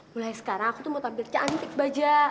mulai sekarang aku tuh mau tampil cantik baja